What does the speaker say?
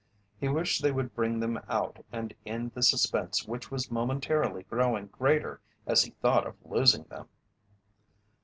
He wished they would bring them out and end the suspense which was momentarily growing greater as he thought of losing them.